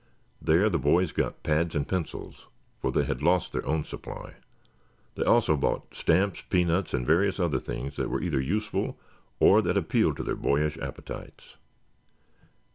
There the boys got pads and pencils, for they had lost their own supply. They also bought stamps, peanuts and various other things that were either useful or that appealed to their boyish appetites.